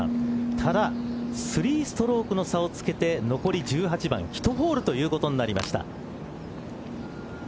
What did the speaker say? ただ３ストロークの差をつけて残り１８番１ホールということになりました。